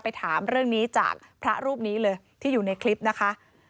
ถามเรื่องนี้จากพระรูปนี้เลยที่อยู่ในคลิปนะคะ